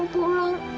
kamu takut kak